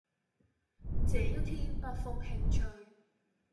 這一天，北風輕吹